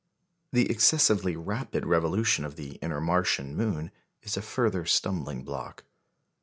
The excessively rapid revolution of the inner Martian moon is a further stumbling block.